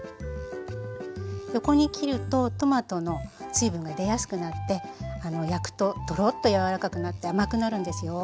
横に切るとトマトの水分が出やすくなって焼くとトロッとやわらかくなって甘くなるんですよ。